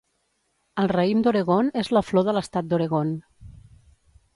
El raïm d'Oregon és la flor de l'estat d'Oregon.